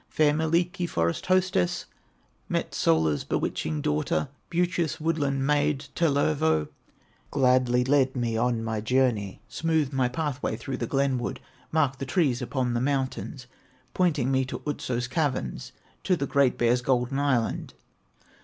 Fair Mielikki, forest hostess, Metsola's bewitching daughter, Beauteous woodland maid, Tellervo, Gladly led me on my journey, Smoothed my pathway through the glen wood. Marked the trees upon the mountains, Pointing me to Otso's caverns, To the Great Bear's golden island.